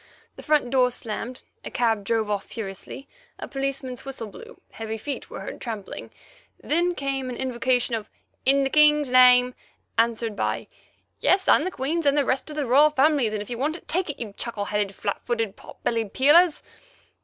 The front door slammed, a cab drove off furiously, a policeman's whistle blew, heavy feet were heard trampling; then came an invocation of "In the King's name," answered by "Yes, and the Queen's, and the rest of the Royal Family's, and if you want it, take it, you chuckle headed, flat footed, pot bellied Peelers."